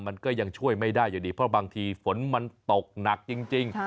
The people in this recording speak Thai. มันก็ยังช่วยไม่ได้อยู่ดีเพราะบางทีฝนมันตกหนักจริง